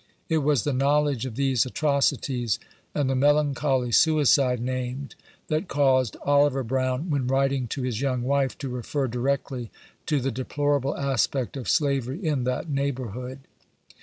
It was the knowledge of these atrocities, and the melancholy suicide named, that caused Oliver Brown, when writing to his young wife, to refer directly to the deplorable aspect of slavery in that neighborhood.